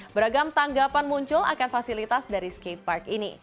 beragam tanggapan muncul akan fasilitas dari skatepark ini